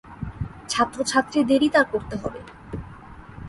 ছাত্রছাত্রীদেরই তা করতে হবে।